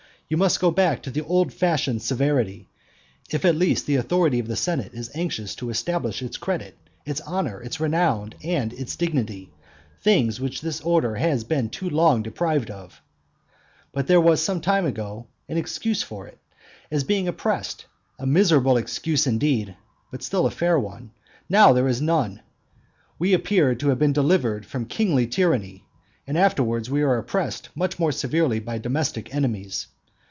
You must go back to the old fashioned severity, if at least the authority of the senate is anxious to establish its credit, its honour, its renown, and its dignity, things which this order has been too long deprived of. But there was some time ago some excuse for it, as being oppressed; a miserable excuse indeed, but still a fair one; now there is none. We appeared to have been delivered from kingly tyranny; and afterwards we were oppressed much more severely by domestic enemies.